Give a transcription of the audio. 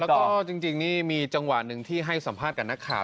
แล้วก็จริงนี่มีจังหวะหนึ่งที่ให้สัมภาษณ์กับนักข่าว